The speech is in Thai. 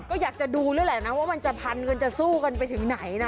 ก็อยากจะดูแล้วแหละนะว่ามันจะพันกันจะสู้กันไปถึงไหนนะ